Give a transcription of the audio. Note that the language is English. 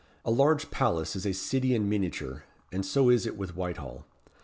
A large palace is a city in miniature; and so is it with Whitehall.